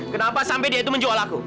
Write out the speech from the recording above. kenapa sampai dia itu menjual aku